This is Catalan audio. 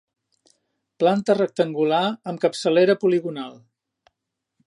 Planta rectangular, amb capçalera poligonal.